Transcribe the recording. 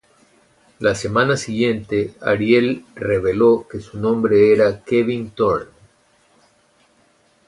La semana siguiente Ariel reveló que su nombre era Kevin Thorn.